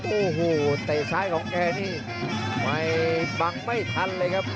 โอ้โหเตะซ้ายของแกนี่ไม่บังไม่ทันเลยครับ